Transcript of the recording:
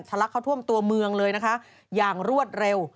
ลักเข้าท่วมตัวเมืองเลยนะคะอย่างรวดเร็ว